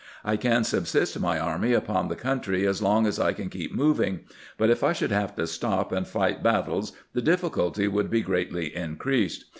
I can subsist my army upon the country as long as I can keep moving ; but if I should have to stop and fight battles the difficulty would be greatly increased.